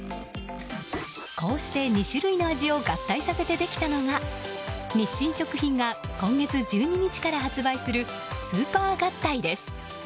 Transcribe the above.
こうして２種類の味を合体させてできたのが日清食品が今月１２日から発売するスーパー合体です。